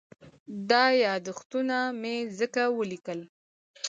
دا یادښتونه مې ځکه وليکل.